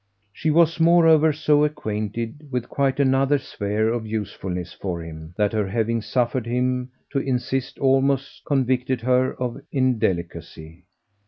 She was moreover so acquainted with quite another sphere of usefulness for him that her having suffered him to insist almost convicted her of indelicacy.